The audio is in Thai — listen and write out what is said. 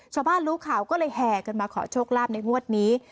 ชาวบ้านรู้ข่าวก็เลยแห่กันมาขอโชคลาภในงวดนี้